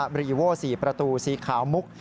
บรีโอโว่๔ประตู๔ขาวมุก